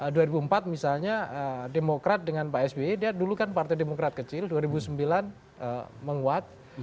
jadi keempat misalnya demokrat dengan pak sbe dia dulu kan partai demokrat kecil dua ribu sembilan menguat